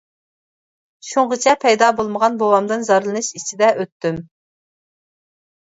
شۇڭغىچە پەيدا بولمىغان بوۋامدىن زارلىنىش ئىچىدە ئۆتتۈم.